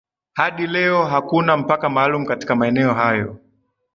hadi leo hakuna mpaka maalum katika maeneo hayo